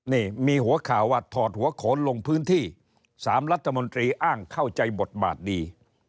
นี่มีหัวข่าวว่าถอดหัวโขนลงพื้นที่๓รัฐมนตรีอ้างเข้าใจบทบาทดี